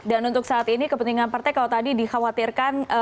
dan untuk saat ini kepentingan partai kalau tadi dikhawatirkan